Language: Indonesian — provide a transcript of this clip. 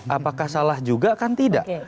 apakah salah juga kan tidak